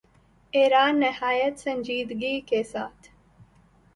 ایران نہایت سنجیدگی کے ساتھ